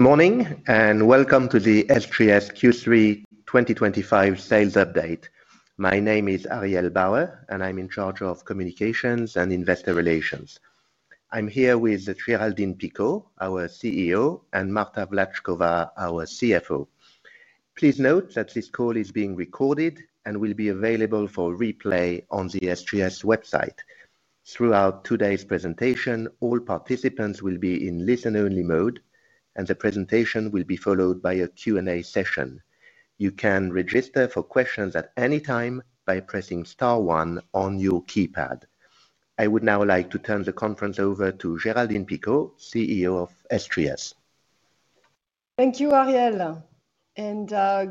Morning and welcome to the SGS Q3 2025 sales update. My name is Ariel Bauer and I'm in charge of Communications and Investor Relations. I'm here with Géraldine Picaud, our CEO, and Marta Vlatchkova, our CFO. Please note that this call is being recorded and will be available for replay on the SGS website. Throughout today's presentation, all participants will be in listen-only mode, and the presentation will be followed by a Q&A session. You can register for questions at any time by pressing star one on your keypad. I would now like to turn the conference over to Géraldine Picaud, CEO of SGS. Thank you, Ariel, and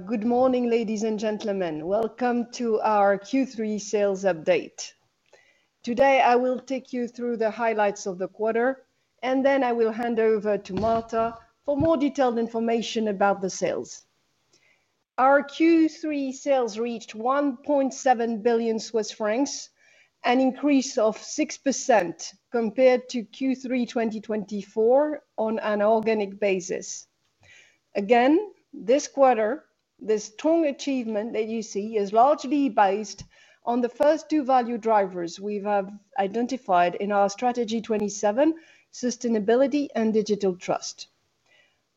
good morning, ladies and gentlemen. Welcome to our Q3 sales update. Today, I will take you through the highlights of the quarter, and then I will hand over to Marta for more detailed information about the sales. Our Q3 sales reached 1.7 billion Swiss francs, an increase of 6% compared to Q3 2024 on an organic basis. Again, this quarter, this strong achievement that you see is largely based on the first two value drivers we have identified in our Strategy 27: Sustainability and Digital Trust.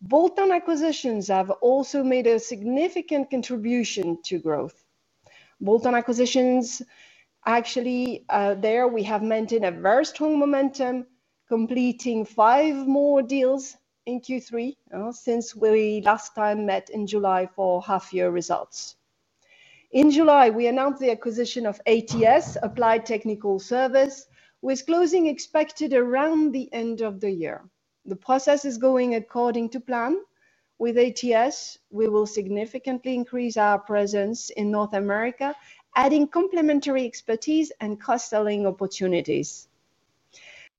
Bolt-on acquisitions have also made a significant contribution to growth. Bolt-on acquisitions, actually, there we have maintained a very strong momentum, completing five more deals in Q3 since we last met in July for half-year results. In July, we announced the acquisition of ATS, Applied Technical Services, with closing expected around the end of the year. The process is going according to plan. With ATS, we will significantly increase our presence in North America, adding complementary expertise and cross-selling opportunities.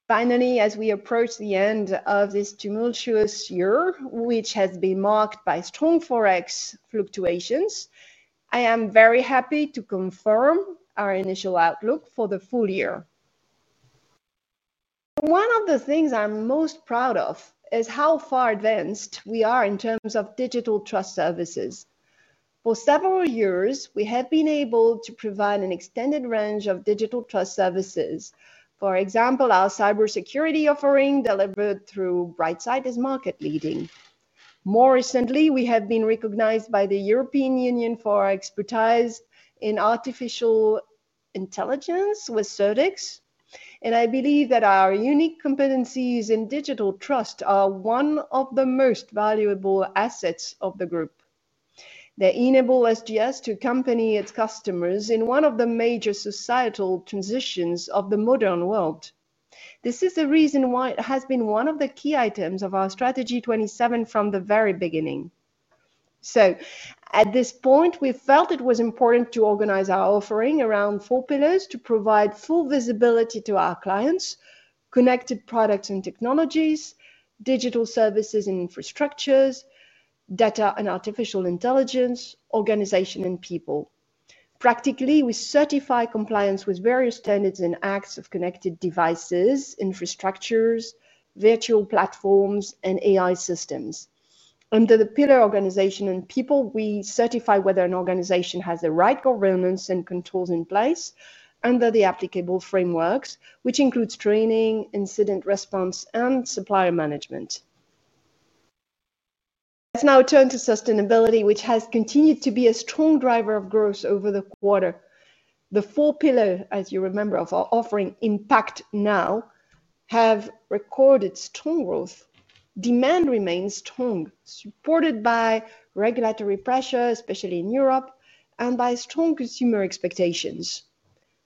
Finally, as we approach the end of this tumultuous year, which has been marked by strong Forex fluctuations, I am very happy to confirm our initial outlook for the full year. One of the things I'm most proud of is how far advanced we are in terms of Digital Trust services. For several years, we have been able to provide an extended range of Digital Trust services. For example, our cybersecurity offering delivered through Brightsight is market leading. More recently, we have been recognized by the European Union for our expertise in artificial intelligence with CertX. I believe that our unique competencies in digital trust are one of the most valuable assets of the group. They enable SGS to accompany its customers in one of the major societal transitions of the modern world. This is the reason why it has been one of the key items of our Strategy 27 from the very beginning. At this point, we felt it was important to organize our offering around four pillars to provide full visibility to our clients: connected products and technologies, digital services and infrastructures, data and artificial intelligence, organization, and people. Practically, we certify compliance with various standards and acts of connected devices, infrastructures, virtual platforms, and AI systems. Under the pillar organization and people, we certify whether an organization has the right governance and controls in place under the applicable frameworks, which includes training, incident response, and supplier management. Let's now turn to sustainability, which has continued to be a strong driver of growth over the quarter. The four pillars, as you remember, of our offering impact now have recorded strong growth. Demand remains strong, supported by regulatory pressure, especially in Europe, and by strong consumer expectations.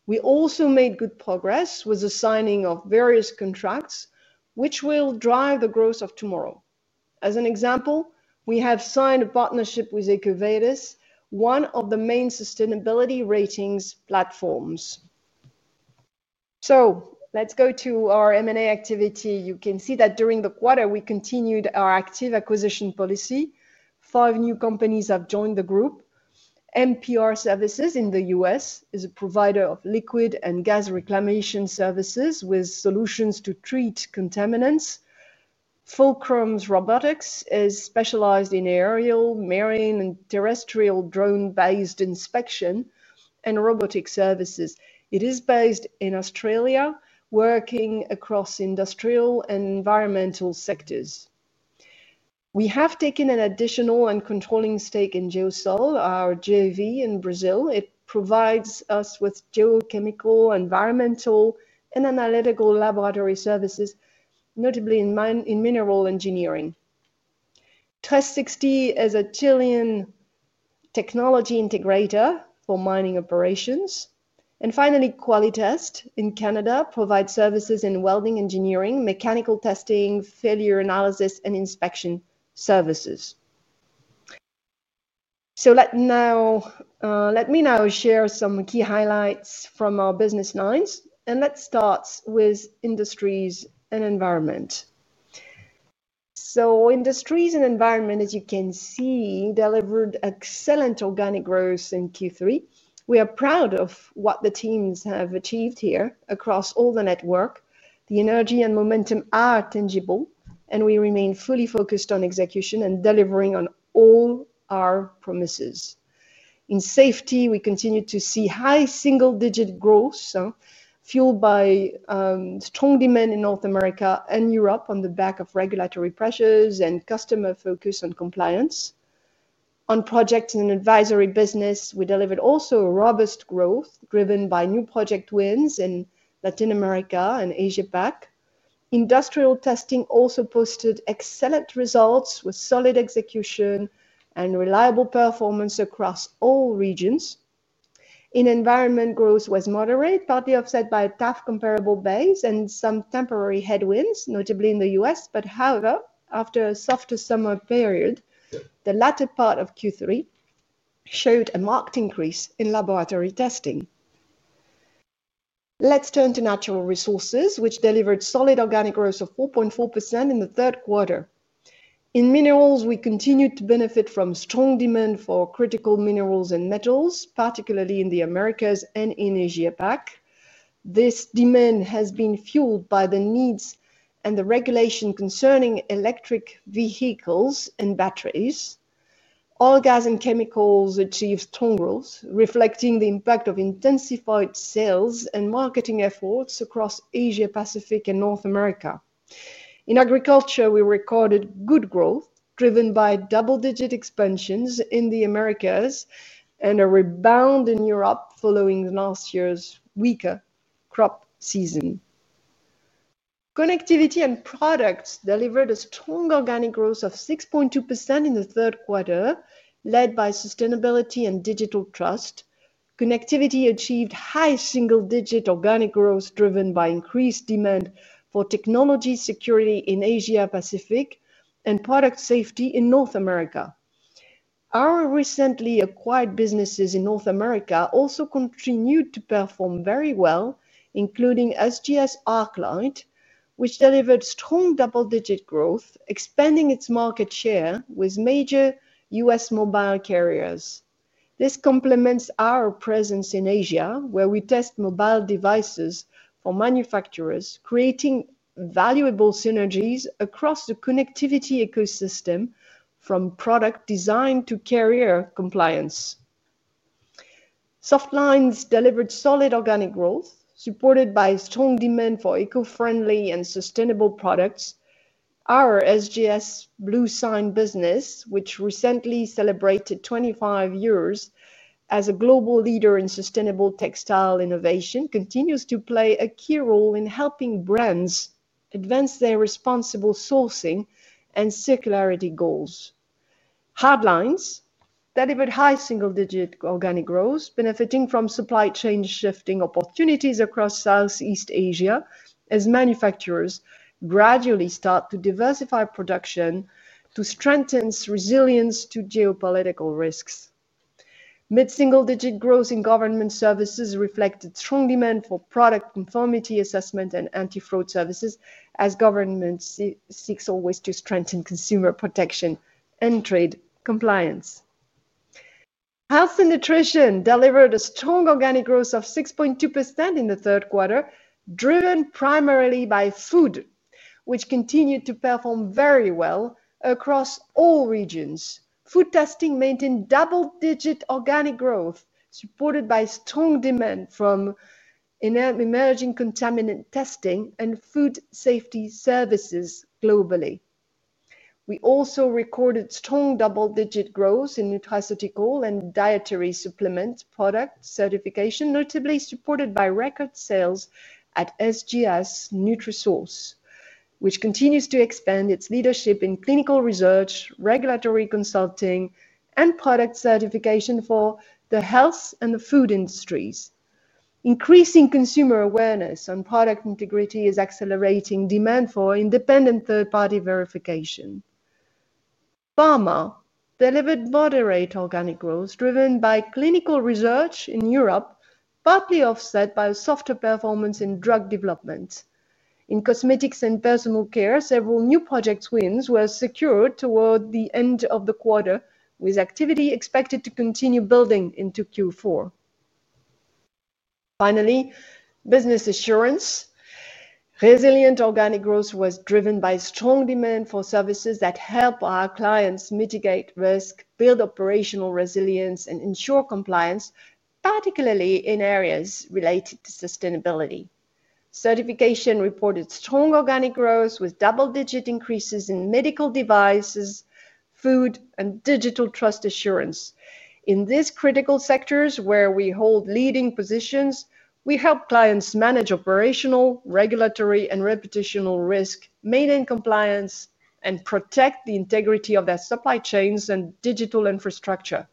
We also made good progress with the signing of various contracts, which will drive the growth of tomorrow. As an example, we have signed a partnership with EcoVadis, one of the main sustainability ratings platforms. Let's go to our M&A activity. You can see that during the quarter, we continued our active acquisition policy. Five new companies have joined the group. MPR Services in the U.S. is a provider of liquid and gas reclamation services with solutions to treat contaminants. Fulcrum Robotics is specialized in aerial, marine, and terrestrial drone-based inspection and robotic services. It is based in Australia, working across industrial and environmental sectors. We have taken an additional and controlling stake in Geosol, our GAV in Brazil. It provides us with geochemical, environmental, and analytical laboratory services, notably in mineral engineering. Tres60 is a Chilean technology integrator for mining operations. Finally, Qualitest in Canada provides services in welding engineering, mechanical testing, failure analysis, and inspection services. Let me now share some key highlights from our business lines, and let's start with industries and environment. Industries and environment, as you can see, delivered excellent organic growth in Q3. We are proud of what the teams have achieved here across all the network. The energy and momentum are tangible, and we remain fully focused on execution and delivering on all our promises. In safety, we continue to see high single-digit growth, fueled by strong demand in North America and Europe on the back of regulatory pressures and customer focus on compliance. On projects in an advisory business, we delivered also robust growth driven by new project wins in Latin America and Asia Pacific. Industrial testing also posted excellent results with solid execution and reliable performance across all regions. In environment, growth was moderate, partly offset by a tough comparable base and some temporary headwinds, notably in the U.S. However, after a softer summer period, the latter part of Q3 showed a marked increase in laboratory testing. Let's turn to natural resources, which delivered solid organic growth of 4.4% in the third quarter. In minerals, we continued to benefit from strong demand for critical minerals and metals, particularly in the Americas and in Asia Pacific. This demand has been fueled by the needs and the regulation concerning electric vehicles and batteries. Oil, gas, and chemicals achieved strong growth, reflecting the impact of intensified sales and marketing efforts across Asia Pacific and North America. In agriculture, we recorded good growth driven by double-digit expansions in the Americas and a rebound in Europe following last year's weaker crop season. Connectivity and products delivered a strong organic growth of 6.2% in the third quarter, led by Sustainability and Digital Trust. Connectivity achieved high single-digit organic growth driven by increased demand for technology security in Asia Pacific and product safety in North America. Our recently acquired businesses in North America also continued to perform very well, including SGS ArcLight, which delivered strong double-digit growth, expanding its market share with major U.S. mobile carriers. This complements our presence in Asia, where we test mobile devices for manufacturers, creating valuable synergies across the connectivity ecosystem, from product design to carrier compliance. Soft lines delivered solid organic growth, supported by strong demand for eco-friendly and sustainable products. Our SGS bluesign business, which recently celebrated 25 years as a global leader in sustainable textile innovation, continues to play a key role in helping brands advance their responsible sourcing and circularity goals. Hard lines delivered high single-digit organic growth, benefiting from supply chain shifting opportunities across Southeast Asia, as manufacturers gradually start to diversify production to strengthen resilience to geopolitical risks. Mid-single-digit growth in government services reflected strong demand for product conformity assessment and anti-fraud services, as governments seek always to strengthen consumer protection and trade compliance. Health and nutrition delivered a strong organic growth of 6.2% in the third quarter, driven primarily by food, which continued to perform very well across all regions. Food testing maintained double-digit organic growth, supported by strong demand from emerging contaminant testing and food safety services globally. We also recorded strong double-digit growth in nutraceutical and dietary supplement product certification, notably supported by record sales at SGS Nutrasource, which continues to expand its leadership in clinical research, regulatory consulting, and product certification for the health and the food industries. Increasing consumer awareness on product integrity is accelerating demand for independent third-party verification. Pharma delivered moderate organic growth, driven by clinical research in Europe, partly offset by a softer performance in drug development. In cosmetics and personal care, several new project wins were secured toward the end of the quarter, with activity expected to continue building into Q4. Finally, business assurance. Resilient organic growth was driven by strong demand for services that help our clients mitigate risk, build operational resilience, and ensure compliance, particularly in areas related to sustainability. Certification reported strong organic growth with double-digit increases in medical devices, food, and digital trust assurance. In these critical sectors, where we hold leading positions, we help clients manage operational, regulatory, and reputational risk, maintain compliance, and protect the integrity of their supply chains and digital infrastructure.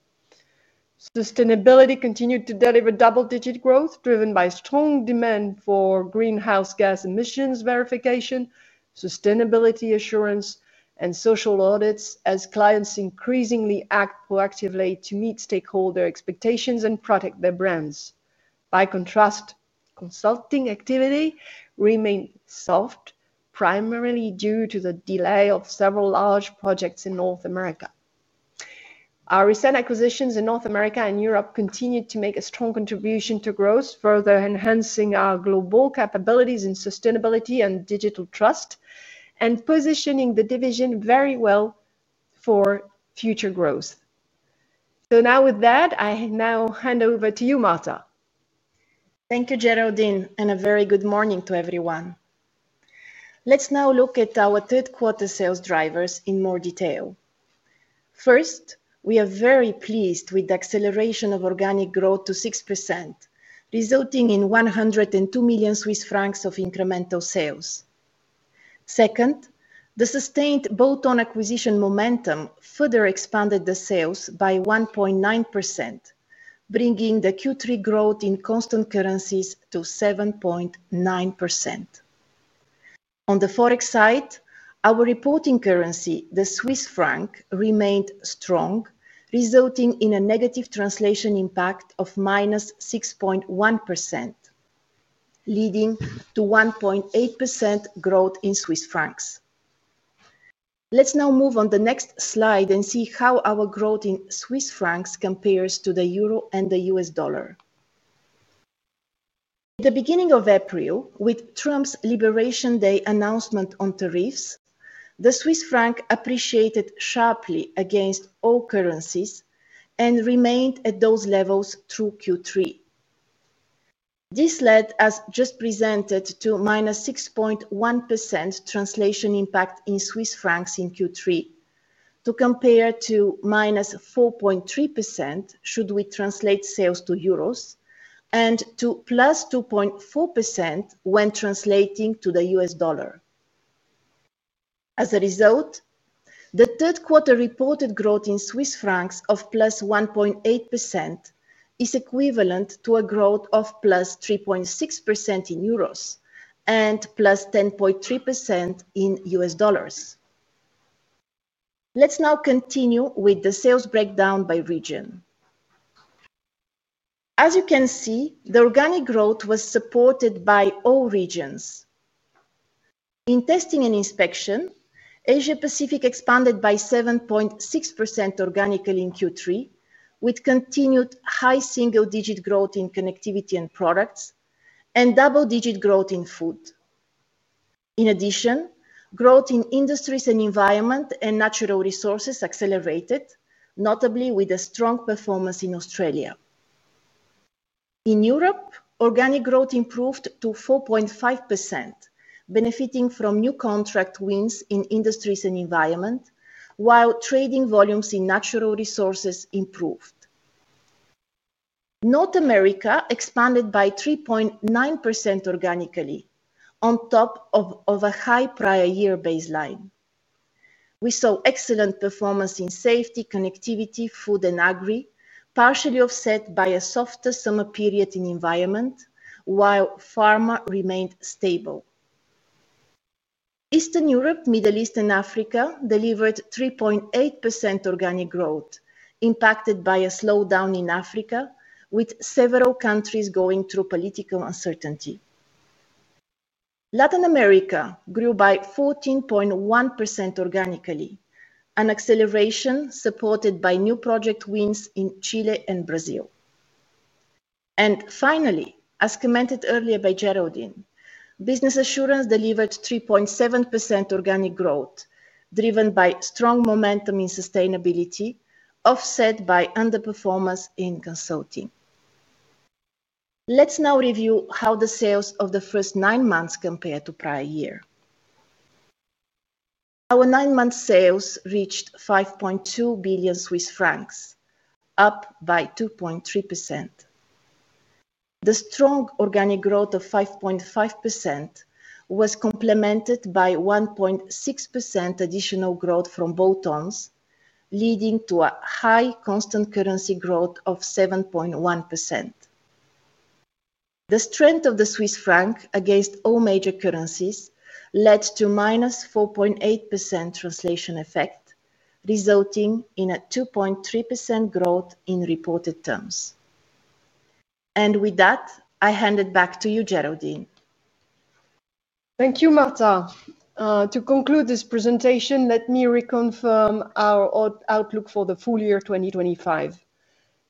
Sustainability continued to deliver double-digit growth, driven by strong demand for greenhouse gas emissions verification, sustainability assurance, and social audits, as clients increasingly act proactively to meet stakeholder expectations and protect their brands. By contrast, consulting activity remained soft, primarily due to the delay of several large projects in North America. Our recent acquisitions in North America and Europe continue to make a strong contribution to growth, further enhancing our global capabilities in Sustainability and Digital Trust, and positioning the division very well for future growth. I now hand over to you, Marta. Thank you, Géraldine, and a very good morning to everyone. Let's now look at our third-quarter sales drivers in more detail. First, we are very pleased with the acceleration of organic growth to 6%, resulting in 102 million Swiss francs of incremental sales. Second, the sustained bolt-on acquisition momentum further expanded the sales by 1.9%, bringing the Q3 growth in constant currencies to 7.9%. On the Forex side, our reporting currency, the Swiss franc, remained strong, resulting in a negative translation impact of -6.1%, leading to 1.8% growth in Swiss francs. Let's now move on to the next slide and see how our growth in Swiss francs compares to the euro and the U.S. dollar. At the beginning of April, with Trump's Liberation Day announcement on tariffs, the Swiss franc appreciated sharply against all currencies and remained at those levels through Q3. This led, as just presented, to -6.1% translation impact in Swiss francs in Q3, to compare to -4.3% should we translate sales to euros and to +2.4% when translating to the U.S. dollar. As a result, the third quarter reported growth in Swiss francs of +1.8% is equivalent to a growth of +3.6% in euros and +10.3% in U.S. dollars. Let's now continue with the sales breakdown by region. As you can see, the organic growth was supported by all regions. In testing and inspection, Asia Pacific expanded by 7.6% organically in Q3, with continued high single-digit growth in connectivity and products and double-digit growth in food. In addition, growth in industries and environment and natural resources accelerated, notably with a strong performance in Australia. In Europe, organic growth improved to 4.5%, benefiting from new contract wins in industries and environment, while trading volumes in natural resources improved. North America expanded by 3.9% organically, on top of a high prior year baseline. We saw excellent performance in safety, connectivity, food, and agri, partially offset by a softer summer period in environment, while pharma remained stable. Eastern Europe, Middle East, and Africa delivered 3.8% organic growth, impacted by a slowdown in Africa, with several countries going through political uncertainty. Latin America grew by 14.1% organically, an acceleration supported by new project wins in Chile and Brazil. Finally, as commented earlier by Géraldine, business assurance delivered 3.7% organic growth, driven by strong momentum in sustainability, offset by underperformance in consulting. Let's now review how the sales of the first nine months compare to prior year. Our nine-month sales reached 5.2 billion Swiss francs, up by 2.3%. The strong organic growth of 5.5% was complemented by 1.6% additional growth from bolt-ons, leading to a high constant currency growth of 7.1%. The strength of the Swiss franc against all major currencies led to minus 4.8% translation effect, resulting in a 2.3% growth in reported terms. With that, I hand it back to you, Géraldine. Thank you, Marta. To conclude this presentation, let me reconfirm our outlook for the full year 2025.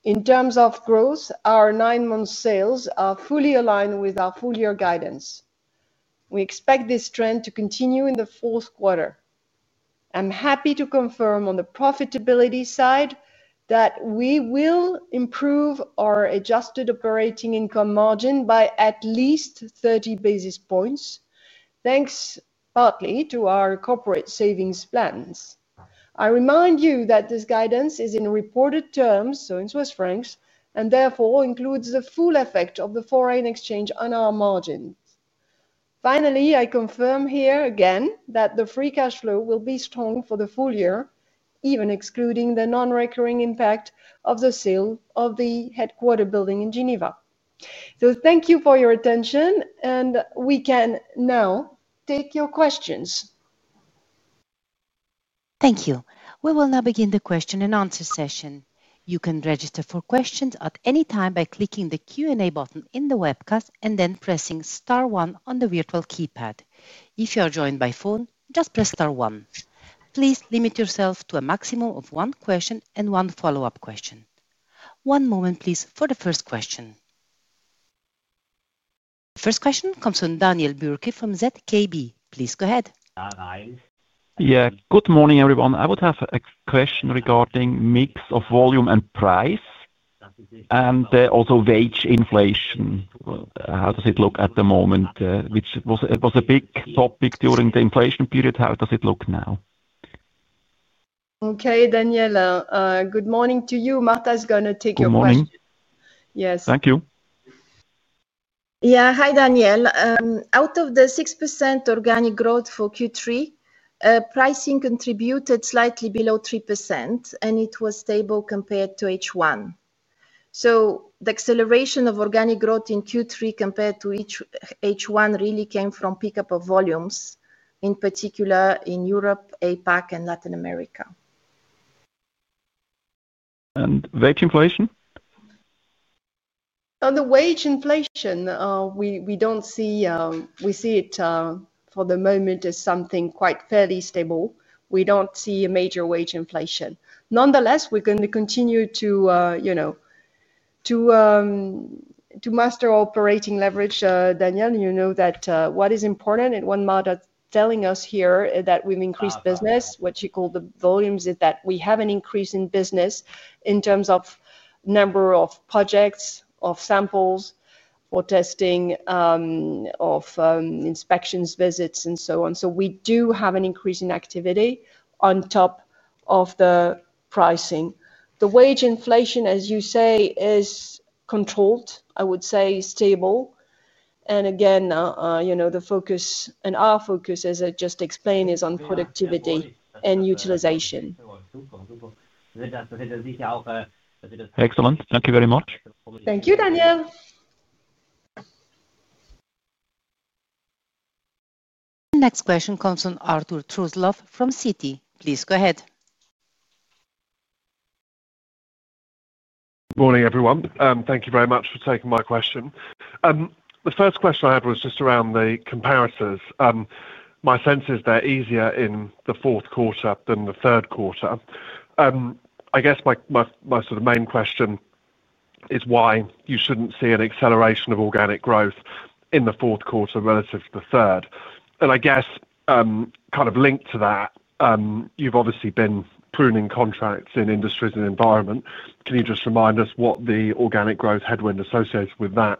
In terms of growth, our nine-month sales are fully aligned with our full-year guidance. We expect this trend to continue in the fourth quarter. I'm happy to confirm on the profitability side that we will improve our adjusted operating income margin by at least 30 basis points, thanks partly to our corporate savings plans. I remind you that this guidance is in reported terms, so in Swiss francs, and therefore includes the full effect of the foreign exchange on our margins. Finally, I confirm here again that the free cash flow will be strong for the full year, even excluding the non-recurring impact of the sale of the headquarter building in Geneva. Thank you for your attention, and we can now take your questions. Thank you. We will now begin the question-and-answer session. You can register for questions at any time by clicking the Q&A button in the webcast and then pressing star one on the virtual keypad. If you are joined by phone, just press star one. Please limit yourself to a maximum of one question and one follow-up question. One moment, please, for the first question. The first question comes from Daniel Bürki from ZKB. Please go ahead. Good morning everyone. I would have a question regarding a mix of volume and price and also wage inflation. How does it look at the moment, which was a big topic during the inflation period? How does it look now? Okay, Daniel, good morning to you. Marta is going to take your question. Good morning. Yes. Thank you. Yeah, hi Daniel. Out of the 6% organic growth for Q3, pricing contributed slightly below 3%, and it was stable compared to H1. The acceleration of organic growth in Q3 compared to H1 really came from pickup of volumes, in particular in Europe, Asia Pacific, and Latin America. Wage inflation? On the wage inflation, we don't see, we see it for the moment as something quite fairly stable. We don't see a major wage inflation. Nonetheless, we're going to continue to master operating leverage. Daniel, you know that what is important and what Marta is telling us here is that we've increased business. What she called the volumes is that we have an increase in business in terms of the number of projects, of samples, for testing, of inspections, visits, and so on. We do have an increase in activity on top of the pricing. The wage inflation, as you say, is controlled, I would say stable. Again, you know, the focus and our focus, as I just explained, is on productivity and utilization. Excellent. Thank you very much. Thank you, Daniel. Next question comes from Arthur Truslove from Citi. Please go ahead. Morning everyone. Thank you very much for taking my question. The first question I had was just around the comparators. My sense is they're easier in the fourth quarter than the third quarter. I guess my sort of main question is why you shouldn't see an acceleration of organic growth in the fourth quarter relative to the third. I guess kind of linked to that, you've obviously been pruning contracts in industries and environment. Can you just remind us what the organic growth headwind associated with that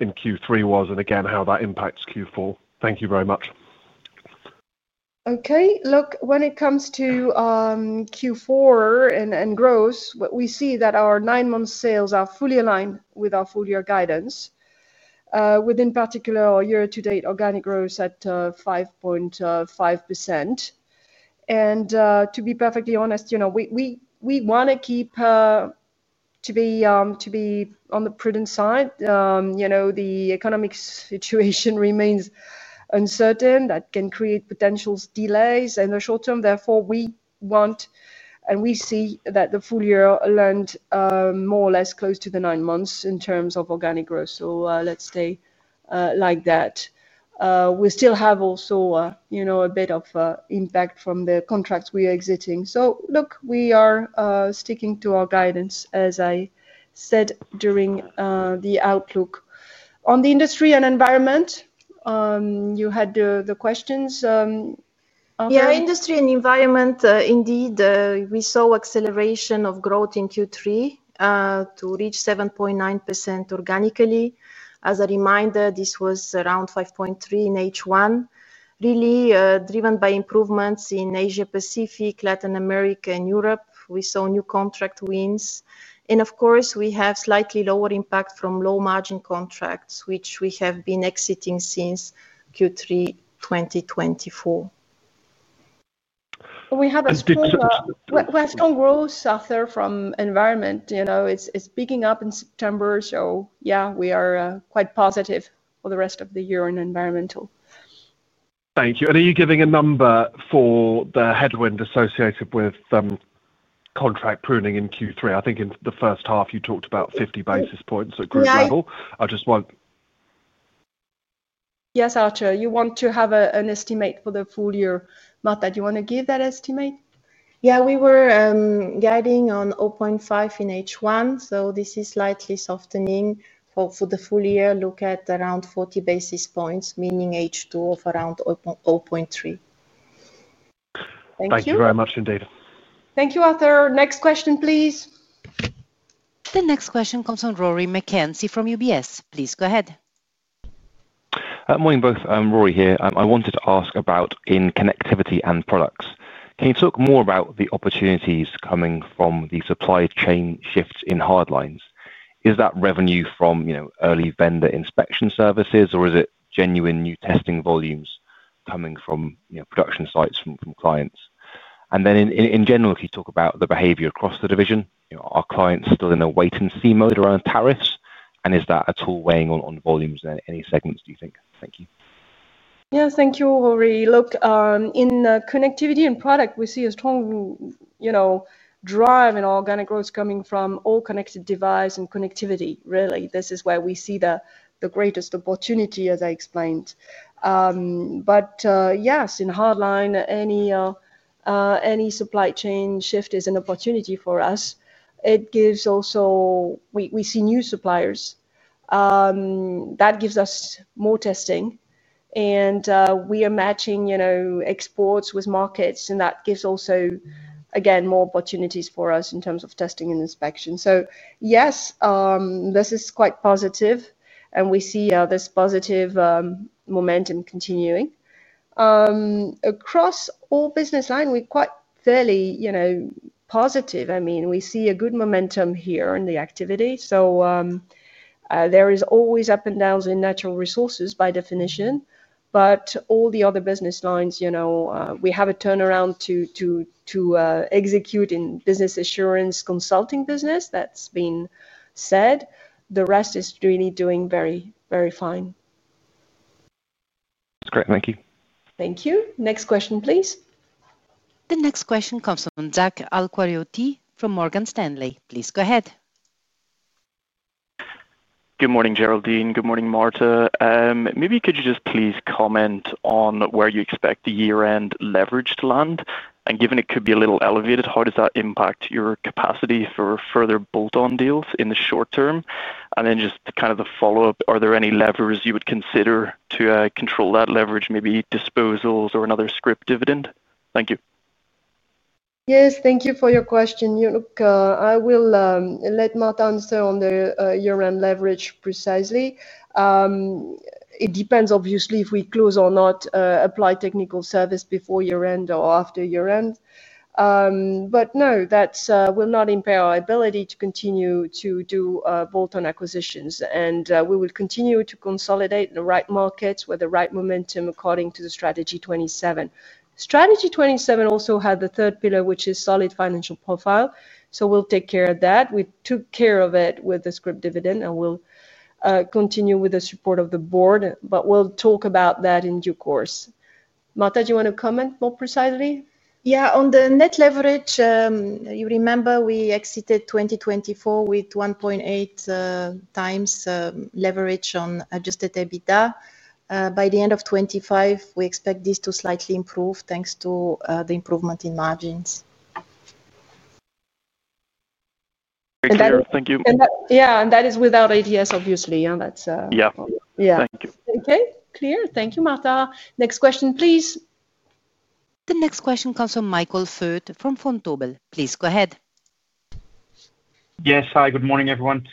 in Q3 was and again how that impacts Q4? Thank you very much. Okay, look, when it comes to Q4 and growth, we see that our nine-month sales are fully aligned with our full-year guidance. In particular, our year-to-date organic growth at 5.5%. To be perfectly honest, you know, we want to keep to be on the prudent side. You know, the economic situation remains uncertain. That can create potential delays in the short term. Therefore, we want and we see that the full year aligned more or less close to the nine months in terms of organic growth. Let's stay like that. We still have also, you know, a bit of impact from the contracts we are exiting. Look, we are sticking to our guidance, as I said during the outlook. On the industries and environment, you had the questions. Yeah, industries and environment, indeed, we saw acceleration of growth in Q3 to reach 7.9% organically. As a reminder, this was around 5.3% in H1. Really driven by improvements in Asia Pacific, Latin America, and Europe. We saw new contract wins. We have slightly lower impact from low margin contracts, which we have been exiting since Q3 2024. We have a question. Strong growth suffers from environment. You know, it's picking up in September. Yeah, we are quite positive for the rest of the year on environmental. Thank you. Are you giving a number for the headwind associated with contract pruning in Q3? I think in the first half, you talked about 50 basis points at gross level. I just want. Yes, Arthur, you want to have an estimate for the full year. Marta, do you want to give that estimate? Yeah, we were guiding on 0.5% in H1. This is slightly softening for the full year. Look at around 40 basis points, meaning H2 of around 0.3%. Thank you very much indeed. Thank you, Arthur. Next question, please. The next question comes from Rory McKenzie from UBS. Please go ahead. Morning both. Rory here. I wanted to ask about in connectivity and products. Can you talk more about the opportunities coming from the supply chain shifts in hard lines? Is that revenue from, you know, early vendor inspection services, or is it genuine new testing volumes coming from, you know, production sites from clients? In general, can you talk about the behavior across the division? Are clients still in a wait-and-see mode around tariffs? Is that at all weighing on volumes in any segments, do you think? Thank you. Yeah, thank you, Rory. In connectivity and products, we see a strong drive in organic growth coming from all connected devices and connectivity. Really, this is where we see the greatest opportunity, as I explained. Yes, in hardline, any supply chain shift is an opportunity for us. It gives also, we see new suppliers. That gives us more testing. We are matching exports with markets, and that gives also, again, more opportunities for us in terms of testing and inspection. Yes, this is quite positive, and we see this positive momentum continuing. Across all business lines, we're quite fairly positive. I mean, we see a good momentum here in the activity. There are always ups and downs in natural resources by definition. All the other business lines, we have a turnaround to execute in business assurance consulting business. That's been said. The rest is really doing very, very fine. That's great. Thank you. Thank you. Next question, please. The next question comes from Zach Alquarioti from Morgan Stanley. Please go ahead. Good morning, Géraldine. Good morning, Marta. Maybe could you just please comment on where you expect the year-end leverage to land? Given it could be a little elevated, how does that impact your capacity for further bolt-on deals in the short term? Just kind of the follow-up, are there any levers you would consider to control that leverage, maybe disposals or another scrip dividend? Thank you. Yes, thank you for your question. Look, I will let Marta answer on the year-end leverage precisely. It depends, obviously, if we close or not Applied Technical Services before year-end or after year-end. No, that will not impair our ability to continue to do bolt-on acquisitions. We will continue to consolidate in the right markets with the right momentum according to the Strategy 27. Strategy 27 also had the third pillar, which is solid financial profile. We will take care of that. We took care of it with the script dividend and will continue with the support of the board. We will talk about that in due course. Marta, do you want to comment more precisely? Yeah, on the net leverage, you remember we exited 2024 with 1.8x leverage on adjusted EBITDA. By the end of 2025, we expect this to slightly improve thanks to the improvement in margins. Thank you. Yeah, and that is without ATS, obviously. Yeah. Yeah. Okay, clear. Thank you, Marta. Next question, please. The next question comes from Michael Foeth from Vontobel. Please go ahead. Yes, hi, good morning everyone.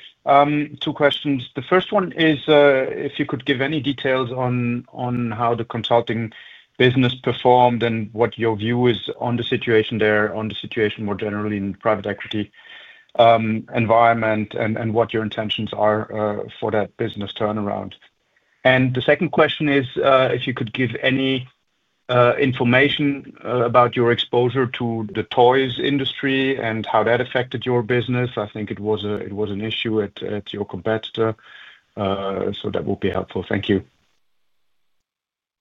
Two questions. The first one is if you could give any details on how the consulting business performed and what your view is on the situation there, on the situation more generally in the private equity environment and what your intentions are for that business turnaround. The second question is if you could give any information about your exposure to the toys industry and how that affected your business. I think it was an issue at your competitor. That would be helpful. Thank you.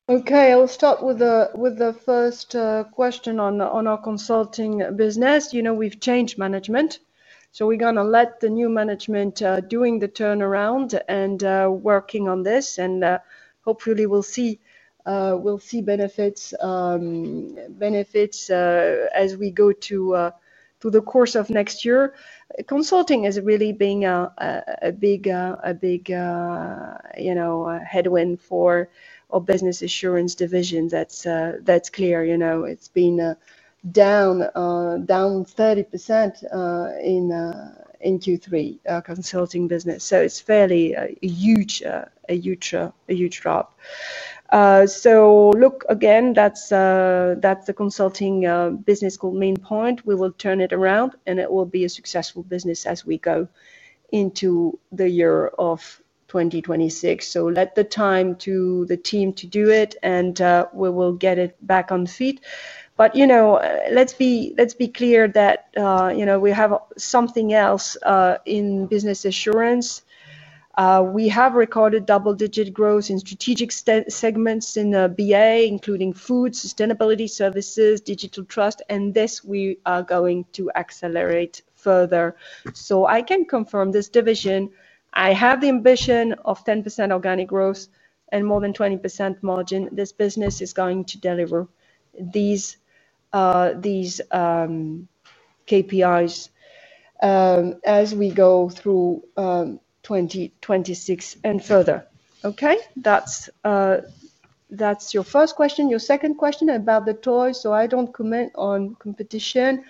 Okay, I'll start with the first question on our consulting business. We've changed management. We're going to let the new management do the turnaround and work on this. Hopefully, we'll see benefits as we go through the course of next year. Consulting has really been a big headwind for our business assurance division. That's clear. It's been down 30% in Q3, our consulting business. It's fairly a huge drop. That's the consulting business called Main Point. We will turn it around and it will be a successful business as we go into the year of 2026. Let the time to the team to do it and we will get it back on feet. Let's be clear that we have something else in business assurance. We have recorded double-digit growth in strategic segments in BA, including food, Sustainability services, Digital Trust, and this we are going to accelerate further. I can confirm this division. I have the ambition of 10% organic growth and more than 20% margin. This business is going to deliver these KPIs as we go through 2026 and further. That's your first question. Your second question about the toys, I don't comment on competition,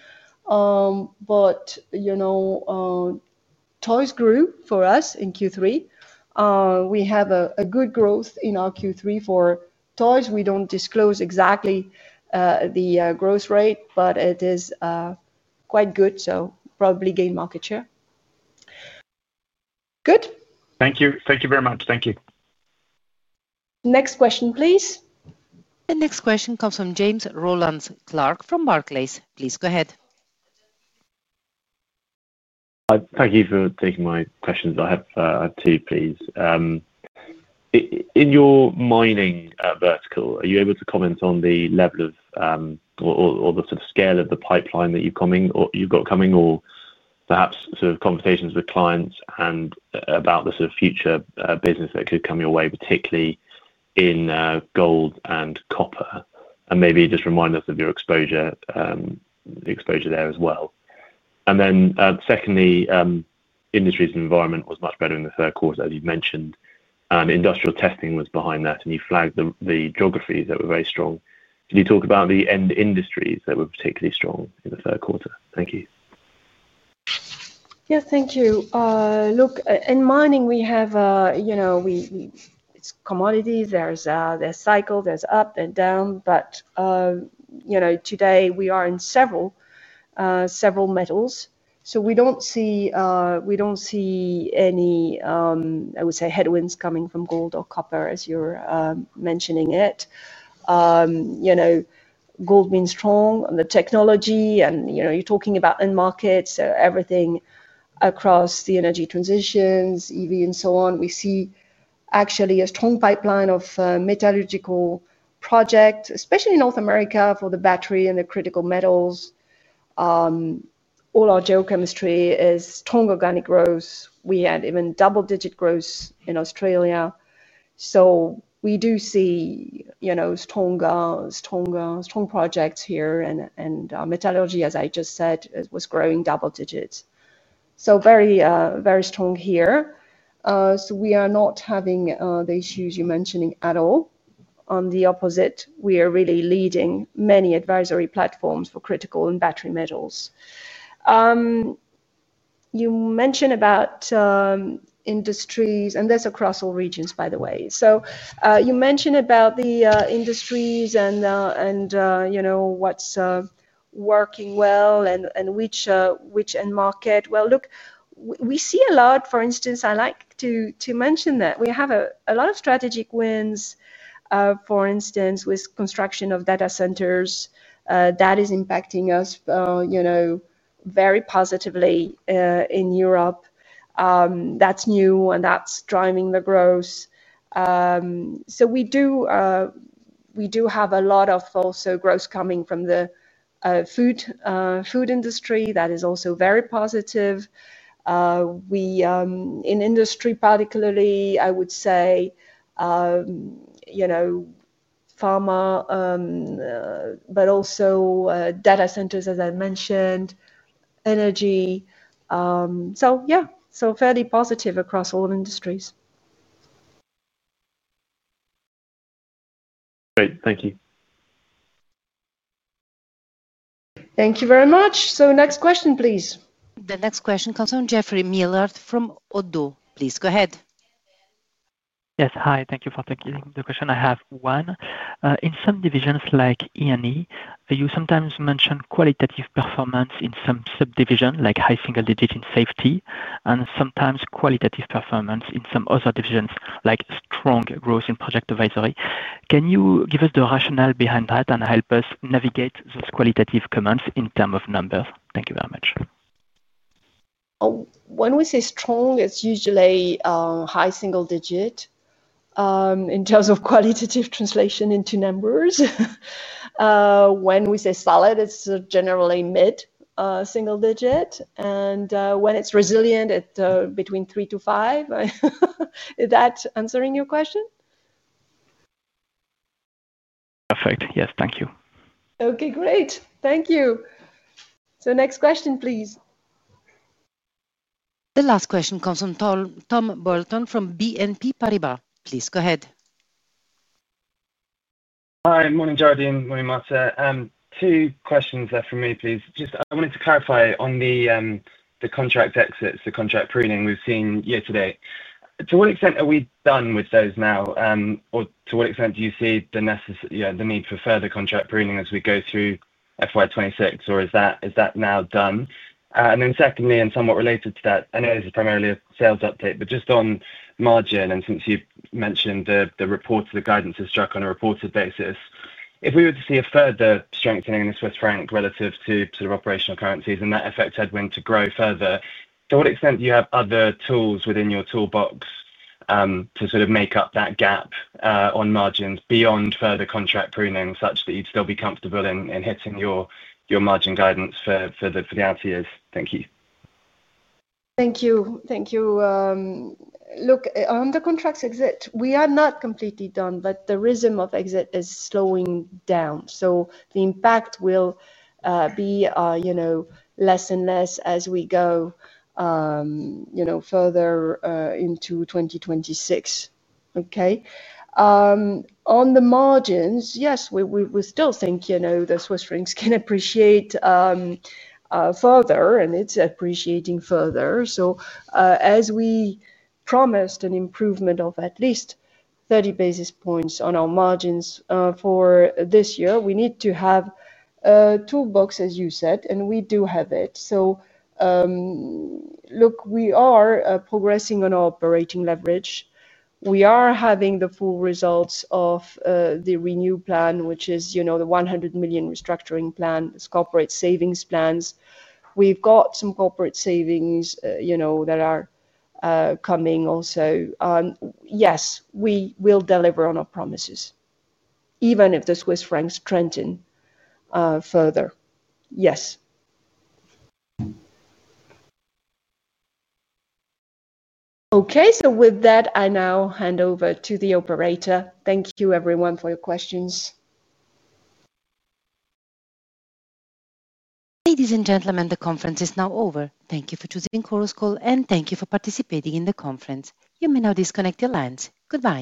but toys grew for us in Q3. We have a good growth in our Q3 for toys. We don't disclose exactly the growth rate, but it is quite good, so probably gain market share. Good. Thank you. Thank you very much. Thank you. Next question, please. The next question comes from James Rowland Clark from Barclays. Please go ahead. Thank you for taking my questions. I have two, please. In your mining vertical, are you able to comment on the level or the sort of scale of the pipeline that you've got coming or perhaps conversations with clients about the sort of future business that could come your way, particularly in gold and copper? Maybe just remind us of your exposure there as well. Secondly, industries and environment was much better in the third quarter, as you mentioned. Industrial testing was behind that, and you flagged the geographies that were very strong. Can you talk about the end industries that were particularly strong in the third quarter? Thank you. Yeah, thank you. Look, in mining, we have, you know, it's commodities. There's cycles. There's up and down. But you know, today we are in several metals. We don't see any, I would say, headwinds coming from gold or copper, as you're mentioning it. You know, gold means strong on the technology, and you're talking about end markets, so everything across the energy transitions, EV, and so on. We see actually a strong pipeline of metallurgical projects, especially in North America for the battery and the critical metals. All our geochemistry is strong organic growth. We had even double-digit growth in Australia. We do see strong projects here, and our metallurgy, as I just said, was growing double digits. Very, very strong here. We are not having the issues you're mentioning at all. On the opposite, we are really leading many advisory platforms for critical and battery metals. You mentioned about industries, and that's across all regions, by the way. You mentioned about the industries and, you know, what's working well and which end market. Look, we see a lot. For instance, I like to mention that we have a lot of strategic wins, for instance, with the construction of data centers. That is impacting us very positively in Europe. That's new, and that's driving the growth. We do have a lot of also growth coming from the food industry. That is also very positive. In industry, particularly, I would say, pharma, but also data centers, as I mentioned, energy. Yeah, fairly positive across all industries. Great, thank you. Thank you very much. Next question, please. The next question comes from Geoffroy Michalet from ODDO. Please go ahead. Yes, hi. Thank you for taking the question. I have one. In some divisions like E&E, you sometimes mention qualitative performance in some subdivisions, like high single-digit in safety, and sometimes qualitative performance in some other divisions, like strong growth in project advisory. Can you give us the rationale behind that and help us navigate those qualitative comments in terms of numbers? Thank you very much. When we say strong, it's usually high single-digit in terms of qualitative translation into numbers. When we say solid, it's generally mid-single-digit. When it's resilient, it's between 3%-5%. Is that answering your question? Perfect. Yes, thank you. Okay, great. Thank you. Next question, please. The last question comes from Tom Bolton from BNP Paribas. Please go ahead. Hi, morning Géraldine, morning Marta. Two questions there for me, please. I just wanted to clarify on the contract exits, the contract pruning we've seen year to date. To what extent are we done with those now? To what extent do you see the need for further contract pruning as we go through FY2026? Is that now done? Secondly, and somewhat related to that, I know this is primarily a sales update, but just on margin, and since you mentioned the reports, the guidance is struck on a reported basis. If we were to see a further strengthening in the Swiss franc relative to sort of operational currencies, and that affects headwind to grow further, to what extent do you have other tools within your toolbox to sort of make up that gap on margins beyond further contract pruning, such that you'd still be comfortable in hitting your margin guidance for the outer years? Thank you. Thank you. Thank you. Look, on the contracts exit, we are not completely done, but the rhythm of exit is slowing down. The impact will be less and less as we go further into 2026. On the margins, yes, we still think the Swiss francs can appreciate further, and it's appreciating further. As we promised an improvement of at least 30 basis points on our margins for this year, we need to have a toolbox, as you said, and we do have it. We are progressing on our operating leverage. We are having the full results of the renew plan, which is the 100 million restructuring plan, the corporate savings plans. We've got some corporate savings that are coming also. Yes, we will deliver on our promises, even if the Swiss francs strengthen further. Yes. With that, I now hand over to the operator. Thank you everyone for your questions. Ladies and gentlemen, the conference is now over. Thank you for choosing chorus call and thank you for participating in the conference. You may now disconnect your lines. Goodbye.